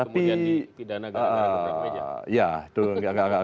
kemudian dipidana karena gebrak meja